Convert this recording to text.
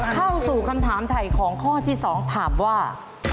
เข้าสู่คำถามถ่ายของข้อที่๒ถามว่า